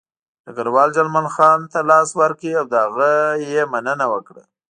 ډګروال جمال خان ته لاس ورکړ او له هغه یې مننه وکړه